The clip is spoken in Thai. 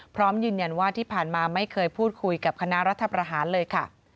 พร้อมยืนยันว่าที่ผ่านมาไม่เคยพูดคุยกับคณะรัฐประหารเลยค่ะ